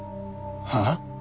はあ？